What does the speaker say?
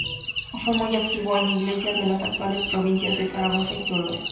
Fue muy activo en iglesias de las actuales provincias de Zaragoza y Teruel.